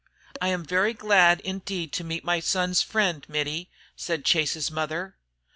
"I am very glad indeed to meet my son's friend Mittie," said Chase's mother.